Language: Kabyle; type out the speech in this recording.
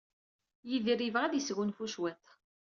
Yidir yebɣa ad yesgunfu cwiṭ.